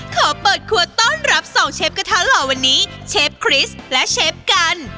ขอเปิดครัวต้อนรับสองเชฟกระทะหล่อวันนี้เชฟคริสและเชฟกัน